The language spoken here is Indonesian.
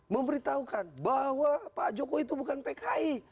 memberitahukan bahwa pak jokowi itu bukan pki